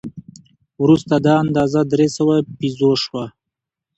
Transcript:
وروسته دا اندازه درې سوه پیزو شوه.